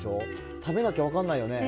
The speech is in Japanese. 食べなきゃ分かんないよね。